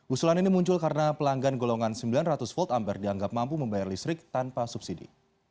usulan ini muncul karena pelanggan golongan sembilan ratus volt ampere dianggap mampu membayar listrik tanpa subsidi